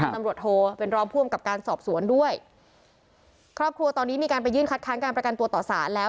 ตำรวจโทเป็นรองผู้อำกับการสอบสวนด้วยครอบครัวตอนนี้มีการไปยื่นคัดค้างการประกันตัวต่อสารแล้ว